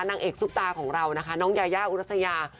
นางเอกซูบตาของเราน้องไย่ย่าอุรัษยา